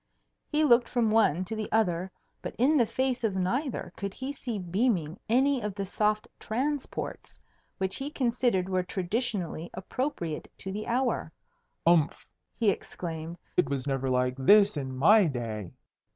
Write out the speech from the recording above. He looked from one to the other, but in the face of neither could he see beaming any of the soft transports which he considered were traditionally appropriate to the hour. "Umph!" he exclaimed; "it was never like this in my day."